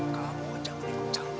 kamu jangan menjauh